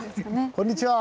こんにちは。